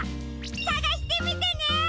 さがしてみてね！